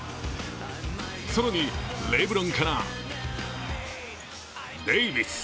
更にレブロンからデイビス！